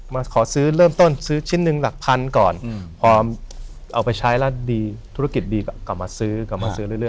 มาขอซื้อเริ่มต้นซื้อชิ้นหนึ่งหลักพันก่อนพอเอาไปใช้แล้วดีธุรกิจดีก็กลับมาซื้อกลับมาซื้อเรื่อย